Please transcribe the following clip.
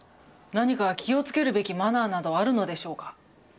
何か気をつけるべきマナーなどあるのでしょうか？